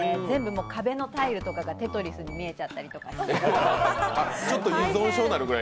全部、壁のタイルとかが「テトリス」に見えちゃったりとか。